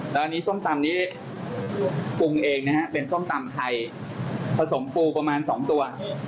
แล้วอันนี้ส้มตำนี้ปรุงเองนะฮะเป็นส้มตำไทยผสมปูประมาณ๒ตัว